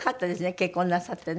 結婚なさってね。